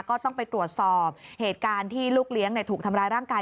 ก็ต้องไปตรวจสอบเหตุการณ์ที่ลูกเลี้ยงถูกทำร้ายร่างกาย